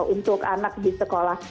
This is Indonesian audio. untuk anak di sekolah